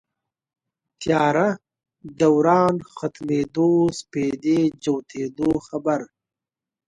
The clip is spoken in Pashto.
تیاره دوران ختمېدو سپېدې جوتېدو خبر